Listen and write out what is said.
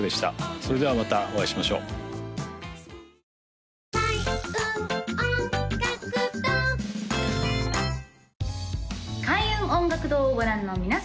それではまたお会いしましょう開運音楽堂をご覧の皆様